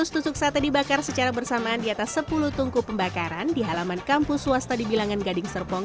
dua ratus tusuk sate dibakar secara bersamaan di atas sepuluh tungku pembakaran di halaman kampus swasta di bilangan gading serpong